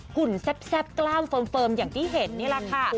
หุ่นแซ่บกล้ามเฟิร์มอย่างที่เห็นนี่แหละค่ะ